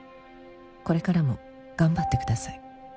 「これからも頑張ってください」